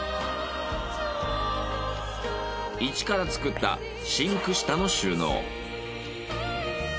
いちから作ったシンク下の収納。